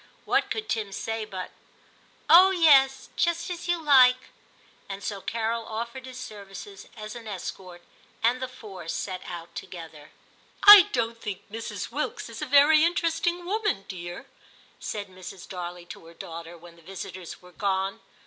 What could Tim say but, ' Oh yes, just as you like '} And so Carol offered his services as an escort, and the four set out together. *I don't think Mrs. Wilkes a very inter esting woman, dear,' said Mrs. Darley to her daughter when the visitors were gone.